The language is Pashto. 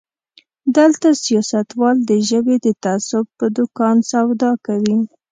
دلته سياستوال د ژبې د تعصب په دوکان سودا کوي.